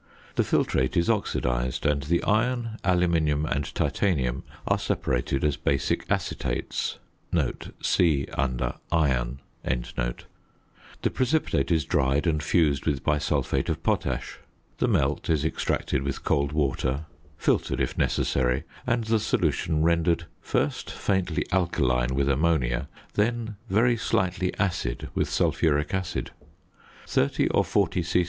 The filtrate is oxidised, and the iron, aluminium, and titanium are separated as basic acetates (see under Iron). The precipitate is dried and fused with bisulphate of potash. The "melt" is extracted with cold water, filtered if necessary, and the solution rendered first faintly alkaline with ammonia, then very slightly acid with sulphuric acid. 30 or 40 c.